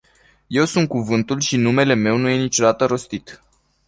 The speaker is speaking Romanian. Eu sunt cuvântul și numele meu nu e niciodată rostit.